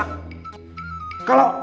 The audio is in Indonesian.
kalau orang cepat berpengaruh